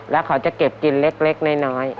แล้วเขาจะเก็บกินเล็กน้อย